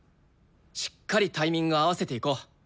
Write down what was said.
しっかりタイミング合わせていこう。